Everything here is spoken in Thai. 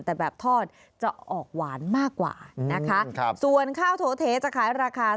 แต่แบบทอดจะออกหวานมากกว่านะคะ